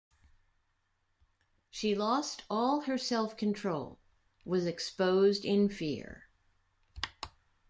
She lost all her self-control, was exposed in fear.